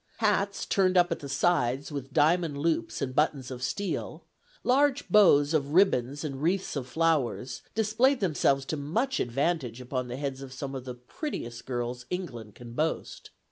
Hats turned up at the sides with diamond loops and buttons of steel, large bows of ribbons and wreaths of flowers, displayed themselves to much advantage upon the heads of some of the prettiest girls England can boast.